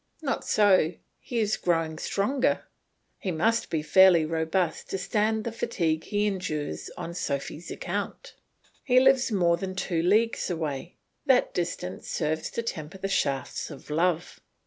Not so, he is growing stronger; he must be fairly robust to stand the fatigue he endures on Sophy's account. He lives more than two leagues away. That distance serves to temper the shafts of love.